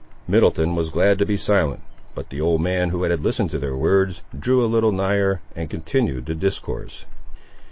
Middleton was glad to be silent; but the old man, who had listened to their words, drew a little nigher, and continued the discourse.